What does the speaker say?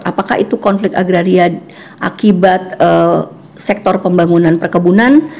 apakah itu konflik agraria akibat sektor pembangunan perkebunan